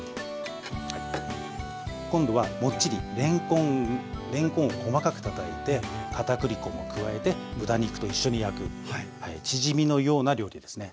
今度はもっちりれんこんを細かくたたいて片栗粉も加えて豚肉と一緒に焼くチヂミのような料理ですね。